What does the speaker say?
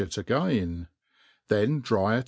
U^gain.; then dry it